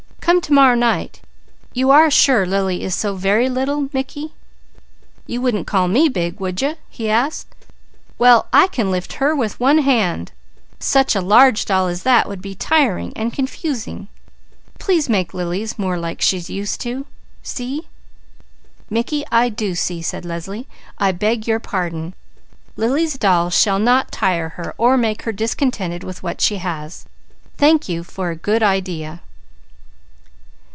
"Come to morrow night. You are sure Lily is so very little, Mickey?" "You wouldn't call me big, would you?" he asked. "Well! I can lift her with one hand! Such a large doll as that would be tiring and confusing. Please make Lily's more like she's used to. See?" "Mickey, I do see!" said Leslie. "I beg your pardon. Lily's doll shall not tire her or make her discontented with what she has. Thank you for a good idea."